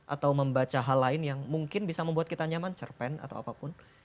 atau membaca hal lain yang mungkin bisa membuat kita nyaman cerpen atau apapun